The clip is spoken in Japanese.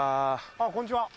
あっこんにちは。